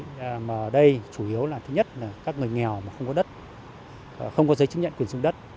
mà ở đây chủ yếu là thứ nhất là các người nghèo mà không có đất không có giấy chứng nhận quyền dùng đất